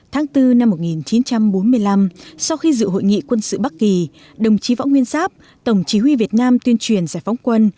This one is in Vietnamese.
tháng bốn năm một nghìn chín trăm bốn mươi năm sau khi dự hội nghị quân sự bắc kỳ đồng chí võ nguyên giáp tổng chí huy việt nam tuyên truyền giải phóng quân